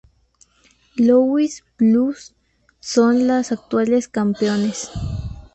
Louis Blues son los actuales campeones.